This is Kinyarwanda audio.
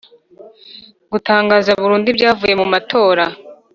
Gutangaza burundu ibyavuye mu matora